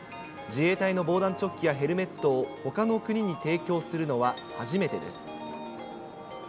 自衛隊の防弾チョッキやヘルメットをほかの国に提供するのは初めてです。